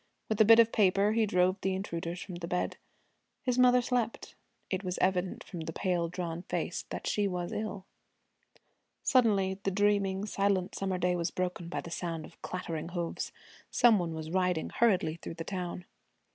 With a bit of paper he drove the intruders from the bed. His mother slept. It was evident from the pale, drawn face that she was ill. Suddenly the dreaming, silent summer day was broken by the sound of clattering hoofs. Some one was riding hurriedly through the town.